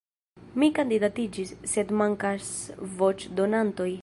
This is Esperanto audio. Mi kandidatiĝis, sed mankas voĉdonantoj.